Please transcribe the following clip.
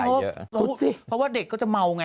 คุณต้องรู้เพราะว่าเด็กก็จะเมาไง